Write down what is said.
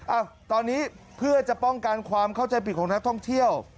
อ่ะตอนนี้เพื่อจะป้องกันความเข้าใจผิดของนักท่องเที่ยว